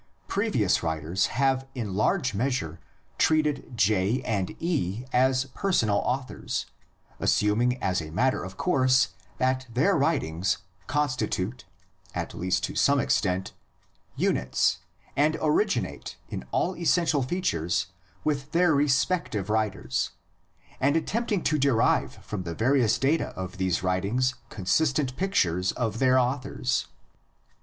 Previous writers have in large measure treated J and E as personal authors, assuming as a matter of course that their writings, constitute, at least to some extent, units and originate in all essential features with their respective writers, and attempting to derive from the various data of these writings con sistent pictures of their authors.